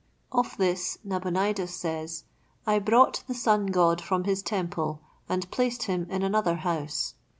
Of this, Nabonidus says: "I brought the Sun God from his temple, and placed him in another house."